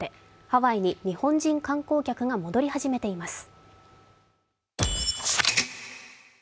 ハワイに日本人観光客が戻り始めています。